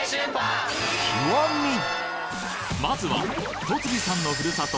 まずは戸次さんのふるさと